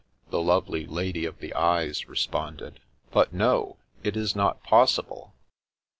the lovely lady of the eyes re sponded. " But no, it is not possible